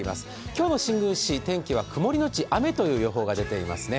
今日の新宮市天気は曇りのち雨という予報が出ていますね。